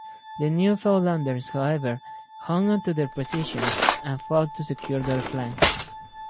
The Newfoundlanders, however, hung on to their positions and fought to secure their flank.